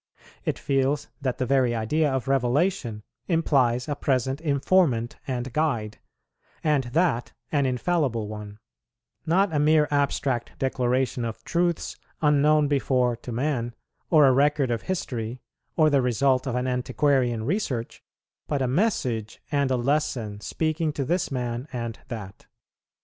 It feels that the very idea of revelation implies a present informant and guide, and that an infallible one; not a mere abstract declaration of Truths unknown before to man, or a record of history, or the result of an antiquarian research, but a message and a lesson speaking to this man and that.